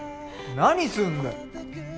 何すんだよ！